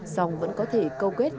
xong vẫn có thể câu kết